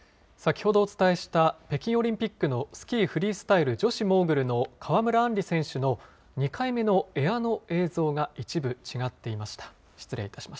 先ほどお伝えした北京オリンピックのスキーフリースタイル女子モーグルの川村あんり選手の２回目のエアの映像が一部違っていました。